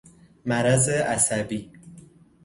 مرض عصبی